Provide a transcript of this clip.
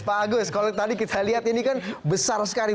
pak agus kalau tadi kita lihat ini kan besar sekali